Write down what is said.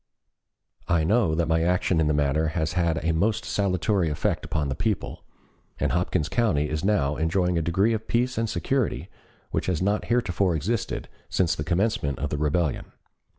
"I know that my action in the matter has had a most salutary effect upon the people, and Hopkins County is now enjoying a degree of peace and security which has not heretofore existed since the commencement of the rebellion.